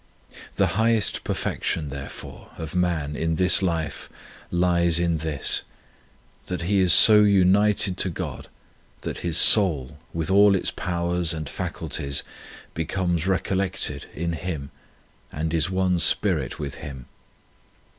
The highest perfection, there fore, of man in this life lies in this: that he is so united to God that his soul with all its powers and faculties becomes recollected in Him and is one spirit with Him.